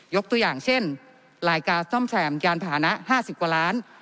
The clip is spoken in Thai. ตัวอย่างเช่นรายการซ่อมแซมยานพาหนะ๕๐กว่าล้าน